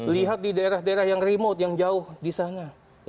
lihat di daerah daerah yang remote yang jauh di sana